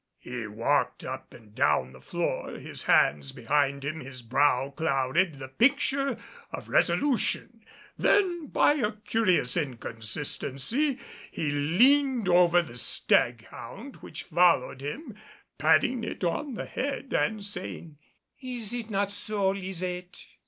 He walked up and down the floor, his hands behind him, his brow clouded, the picture of resolution. Then by a curious inconsistency, he leaned over the stag hound which followed him, patting it on the head and saying, "Is it not so, Lisette?"